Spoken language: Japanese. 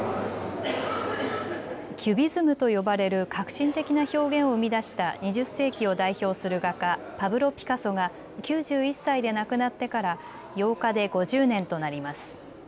キュビズムと呼ばれる革新的な表現を生み出した２０世紀を代表する画家、パブロ・ピカソが９１歳で亡くなってから８日で５０年となります。